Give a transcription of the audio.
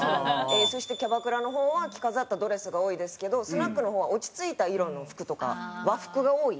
そしてキャバクラの方は着飾ったドレスが多いですけどスナックの方は落ち着いた色の服とか和服が多い。